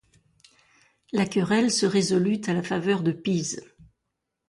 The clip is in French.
La querelle se résolut à la faveur de Pise.